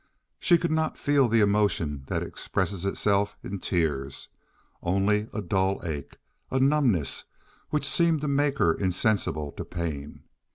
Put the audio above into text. She could not feel the emotion that expresses itself in tears—only a dull ache, a numbness which seemed to make her insensible to pain.